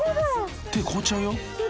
手凍っちゃうよ］